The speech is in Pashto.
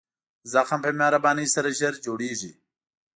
زخم په مهربانۍ سره ژر جوړېږي.